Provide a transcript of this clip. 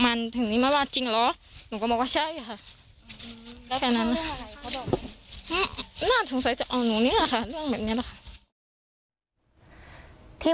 อาบรับกล้องพ่อสามีนัยกลั้งสามีของพ่อสามี